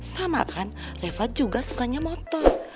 sama kan refat juga sukanya motor